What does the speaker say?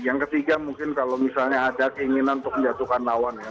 yang ketiga mungkin kalau misalnya ada keinginan untuk menjatuhkan lawan ya